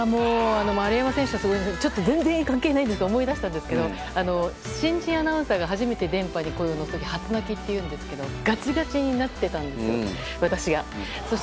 丸山選手とちょっと全然関係ないけど思い出したんですけど新人アナウンサーが初めて電波に声を乗せることを初鳴きっていうんですけどガチガチになっていたんですよ私が。